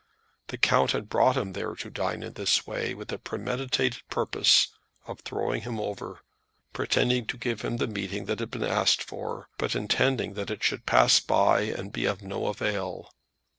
The count had brought him there to dine in this way with a premeditated purpose of throwing him over, pretending to give him the meeting that had been asked for, but intending that it should pass by and be of no avail.